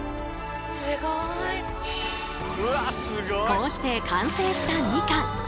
こうして完成した「みかん」。